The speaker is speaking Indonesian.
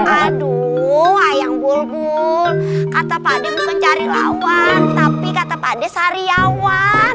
aduh ayang bulbul kata pakde bukan cari lawan tapi kata pakde sariawan